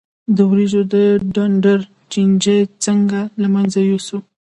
د وریجو د ډنډر چینجی څنګه له منځه یوسم؟